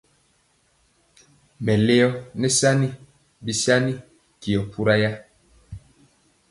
Mɛleo nɛ sani bisani tyio pura ya.